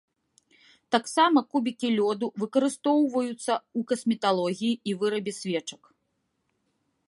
Таксама кубікі лёду выкарыстоўваюцца ў касметалогіі і вырабе свечак.